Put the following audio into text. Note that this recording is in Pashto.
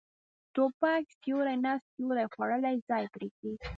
توپک سیوری نه، سیوری خوړلی ځای پرېږدي.